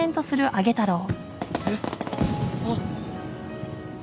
えっあっ。